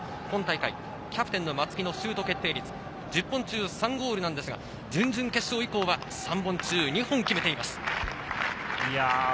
今大会キャプテン・松木のシュート決定率、１０本中３ゴールですが、準々決勝以降は３本中、２本決めています。